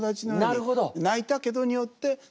なるほど。